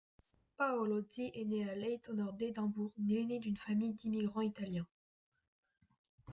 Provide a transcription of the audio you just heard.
Paolozzi est né à Leith au nord d'Édimbourg, l’aîné d'une famille d'immigrants italiens.